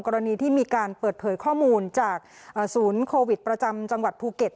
กรณีที่มีการเปิดเผยข้อมูลจากศูนย์โควิดประจำจังหวัดภูเก็ต